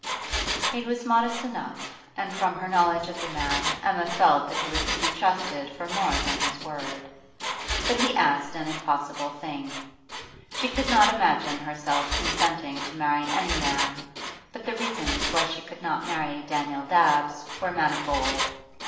It was modest enough, and from her knowledge of the man Emma felt that he was to be trusted for more than his word. But he asked an impossible thing. She could not imagine herself consenting to marry any man, but the reasons why she could not marry Daniel Dabbs were manifold.